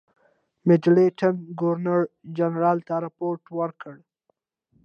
میډلټن ګورنرجنرال ته رپوټ ورکړ.